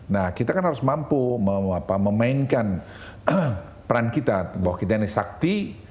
nah kita kan harus mampu memainkan peran kita bahwa kita ini sakti